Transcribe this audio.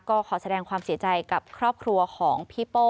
ก็ขอแสดงความเสียใจกับครอบครัวของพี่โป้